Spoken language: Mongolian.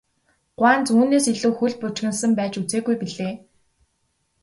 Гуанз үүнээс илүү хөл бужигнасан байж үзээгүй билээ.